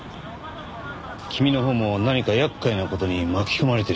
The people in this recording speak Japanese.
君のほうも何か厄介な事に巻き込まれているようだが。